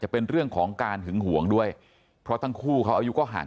เป็นเรื่องของการหึงห่วงด้วยเพราะทั้งคู่เขาอายุก็ห่าง